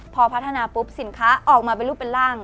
พอพัฒนาปุ๊บสินค้าออกมาเป็นรูปเป็นร่าง